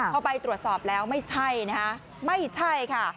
พอไปตรวจสอบแล้วไม่ใช่ค่ะ